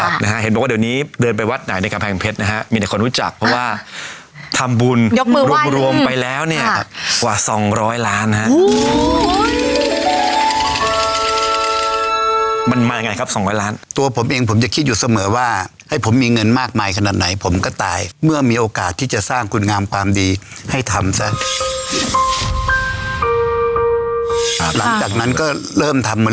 ค่ะนะฮะเห็นบอกว่าเดี๋ยวนี้เดินไปวัดไหนในกลางแผ่งเพชรนะฮะมีแต่คนรู้จักเพราะว่าทำบุญยกมือว่ายนึงรวมไปแล้วเนี่ยค่ะกว่าสองร้อยล้านนะฮะอู๋มันมายังไงครับสองร้อยล้านตัวผมเองผมจะคิดอยู่เสมอว่าให้ผมมีเงินมากมายขนาดไหนผมก็ตายเมื่อมีโอกาสที่จะสร้างคุณงามความดีให้ท